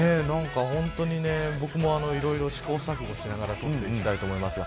本当に僕もいろいろ試行錯誤しながら撮っていきたいと思いますが。